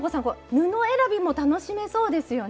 布選びも楽しめそうですよね。